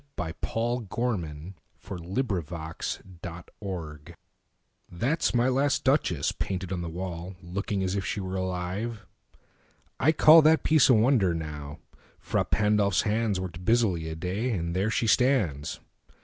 My Last Duchess Ferrara THAT'S my last Duchess painted on the wall, Looking as if she were alive. I callThat piece a wonder, now: Frà Pandolf's handsWorked busily a day, and there she stands.